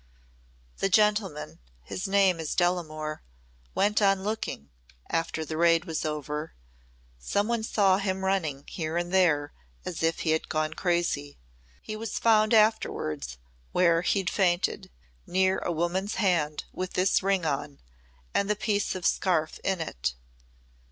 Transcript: "The gentleman his name is Delamore went on looking after the raid was over. Some one saw him running here and there as if he had gone crazy. He was found afterwards where he'd fainted near a woman's hand with this ring on and the piece of scarf in it.